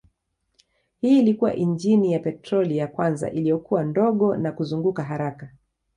Hii ilikuwa injini ya petroli ya kwanza iliyokuwa ndogo na kuzunguka haraka.